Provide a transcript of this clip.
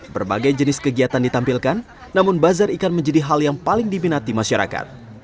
berbagai jenis kegiatan ditampilkan namun bazar ikan menjadi hal yang paling diminati masyarakat